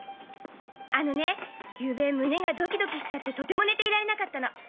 あのねゆうべ胸がドキドキしちゃってとても寝ていられなかったの。